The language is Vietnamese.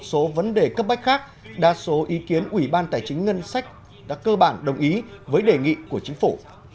một số vấn đề cấp bách khác đa số ý kiến ủy ban tài chính ngân sách đã cơ bản đồng ý với đề nghị của chính phủ